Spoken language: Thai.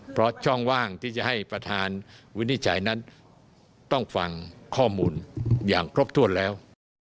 เพราะช่องว่างที่จะให้ประธานวินิจฉัยนั้นต้องฟังข้อมูลอย่างครบถ้วนแล้ว